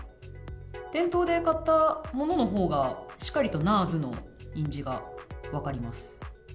店頭で買ったもののほうが、しっかりとナーズの印字が分かります。